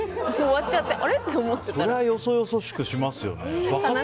そりゃよそよそしくしますよね。